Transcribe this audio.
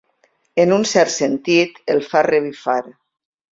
En un cert sentit, el fa revifar.